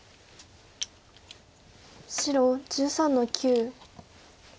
白１３の九。